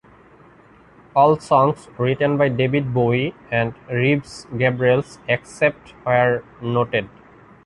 All songs written by David Bowie and Reeves Gabrels except where noted.